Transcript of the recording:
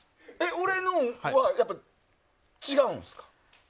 俺のは違うんですか？